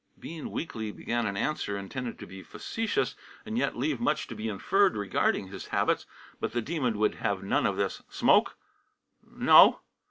Bean weakly began an answer intended to be facetious, and yet leave much to be inferred regarding his habits. But the Demon would have none of this. "Smoke?" "No!"